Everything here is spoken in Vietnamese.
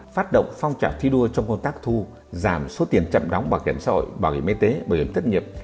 phát động phong trào thi đua trong công tác thu giảm số tiền chậm đóng bảo hiểm xã hội bảo hiểm y tế bảo hiểm thất nghiệp